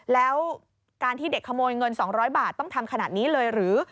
แล้วการที่เด็กขโมยเงิน๒๐๐บาทต้องทำขนาดนี้เลยหรือ